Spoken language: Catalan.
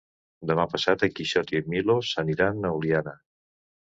Demà passat en Quixot i en Milos aniran a Oliana.